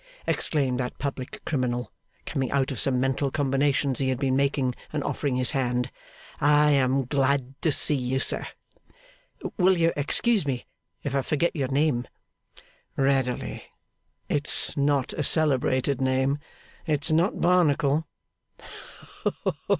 exclaimed that public criminal, coming out of some mental combinations he had been making, and offering his hand. 'I am glad to see you, sir. Will you excuse me if I forget your name?' 'Readily. It's not a celebrated name. It's not Barnacle.